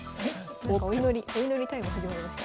なんかお祈りタイム始まりました。